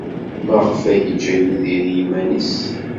Maɣef ay yeǧǧa Yidir i yiman-nnes?